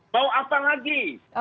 mau apa lagi